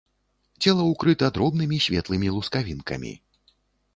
Цела ўкрыта дробнымі светлымі лускавінкамі.